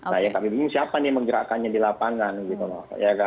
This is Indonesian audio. nah yang kami bingung siapa nih menggerakkannya di lapangan gitu loh